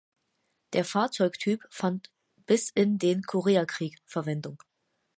Der Fahrzeugtyp fand bis in den Koreakrieg Verwendung.